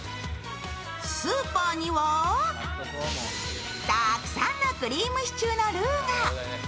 スーパーにはたくさんのクリームシチューのルーが。